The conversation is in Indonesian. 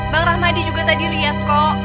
bang rahmadi juga tadi lihat kok